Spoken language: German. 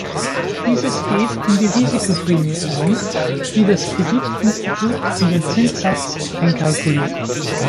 Dieses geht in die Risikoprämie ein, die das Kreditinstitut in den Zinssatz einkalkuliert.